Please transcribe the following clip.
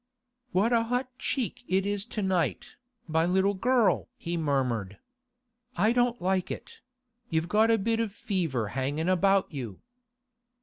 'What a hot cheek it is to night, my little girl!' he murmured. 'I don't like it; you've got a bit of fever hangin' about you.